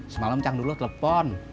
semalam chang dulu telepon